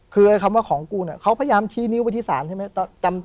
คือไอ้คำว่าของกูเนี่ยเขาพยายามชี้นิ้วไปที่ศาลใช่ไหม